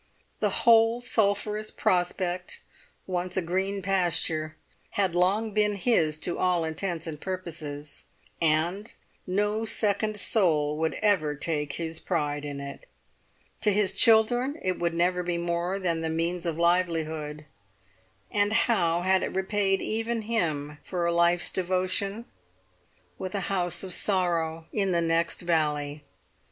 The whole sulphurous prospect, once a green pasture, had long been his to all intents and purposes, and no second soul would ever take his pride in it; to his children it would never be more than the means of livelihood; and how had it repaid even him for a life's devotion? With a house of sorrow in the next valley!